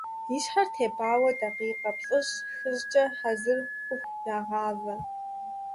И щхьэр тепӀауэ дакъикъэ плӏыщӏ-хыщӏкӏэ, хьэзыр хъуху, ягъавэ.